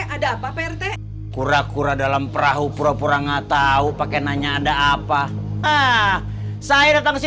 ada apa kurah kurah dalam perahu pura pura enggak tahu pakai nanya ada apa saya datang